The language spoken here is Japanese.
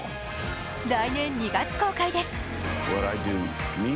来年２月公開です。